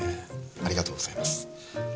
ありがとうございます